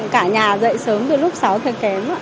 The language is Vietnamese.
cả nhà dậy sớm từ lúc sáu thời kém ạ